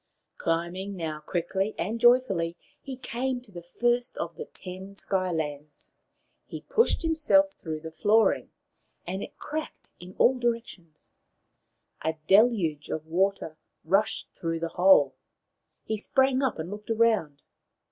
Climbing now quickly and joyfully, he came to the first of the ten Sky lands. He pushed himself through the flooring, and it cracked in 40 Maoriland Fairy Tales all directions. A deluge of water rushed through the hole. He sprang up and looked round.